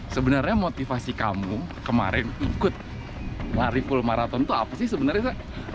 sebenarnya motivasi kamu kemarin ikut lari pool marathon itu apa sih sebenarnya